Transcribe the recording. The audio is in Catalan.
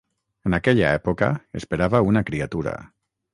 En aquella època esperava una criatura